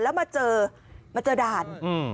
แล้วมาเจอด่าน